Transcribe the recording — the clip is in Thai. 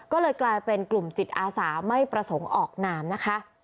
ก็เลยกลายเป็นกลุ่มจิตอาสาไม่ประสงค์ออกนามนะคะ